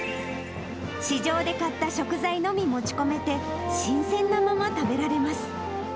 市場で買った食材のみ持ち込めて、新鮮なまま食べられます。